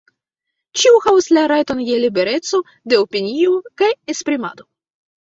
Ĉiu havas la rajton je libereco de opinio kaj esprimado.